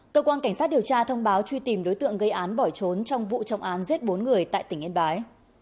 cơ quan cảnh sát điều tra thông báo truy tìm đối tượng gây án bỏ trốn trong vụ trọng án giết bốn người tại tỉnh yên bái